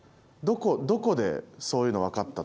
どこでそういうの分かったと思う？